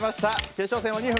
決勝戦は２分。